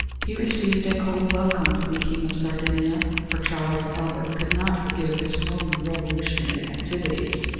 He received a cold welcome from the King of Sardinia, for Charles Albert could not forgive his former revolutionary activities.